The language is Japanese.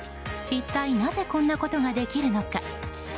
一体なぜこんなことができるのか。